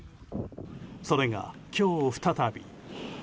それが、今日再び。